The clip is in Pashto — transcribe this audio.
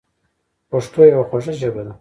پښتو یوه خوږه ژبه ده.